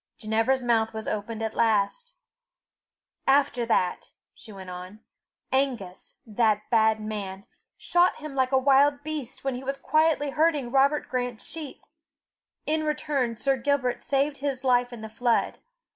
Ginevra's mouth was opened at last. "After that," she went on, "Angus, that bad man, shot him like a wild beast, when he was quietly herding Robert Grant's sheep. In return Sir Gilbert saved his life in the flood.